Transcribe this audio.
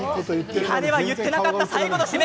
リハでは言っていなかった最後の締め